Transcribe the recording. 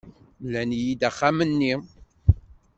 Mlan-iyi-d axxam-nni.